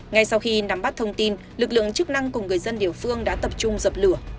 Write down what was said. ngay sau khi nắm bắt thông tin lực lượng chức năng cùng người dân địa phương đã tập trung dập lửa